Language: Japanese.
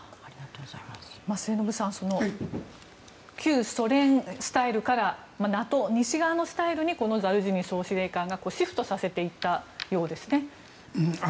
末延さん旧ソ連スタイルからＮＡＴＯ、西側のスタイルにこのザルジニー総司令官がシフトさせていったようですね。